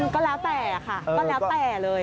ก็แล้วแต่ค่ะก็แล้วแต่เลย